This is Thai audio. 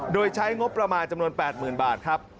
โดยใช้งบประมาณจำนวน๘๐๐๐บาทครับ